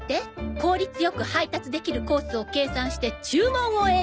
効率よく配達できるコースを計算して注文を選ぶ！